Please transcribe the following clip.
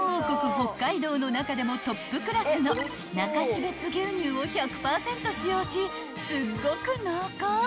北海道の中でもトップクラスのなかしべつ牛乳を１００％使用しすっごく濃厚］